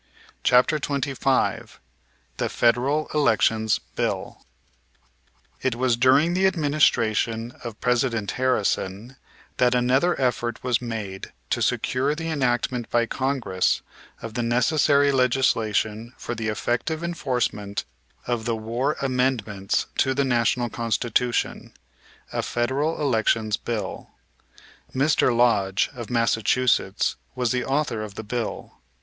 CHAPTER XXV THE FEDERAL ELECTIONS BILL It was during the administration of President Harrison that another effort was made to secure the enactment by Congress of the necessary legislation for the effective enforcement of the war amendments to the National Constitution, a Federal Elections Bill. Mr. Lodge, of Massachusetts, was the author of the bill.